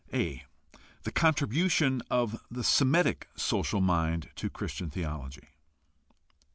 a) The contribution of the Semitic social mind to Christian theology.